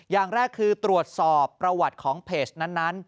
อย่างแรกคือตรวจสอบประวัติของเพจนั้น